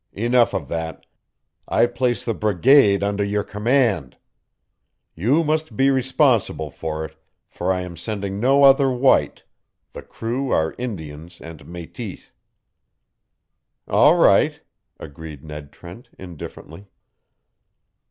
Enough of that! I place the brigade under your command! You must be responsible for it, for I am sending no other white the crew are Indians and mètis." "All right," agreed Ned Trent, indifferently.